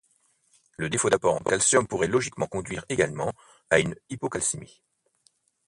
Le défaut d'apport en calcium pourrait logiquement conduire également à une hypocalcémie.